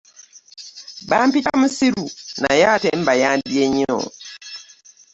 Bampita mussiru naye ate mbayambye nnyo.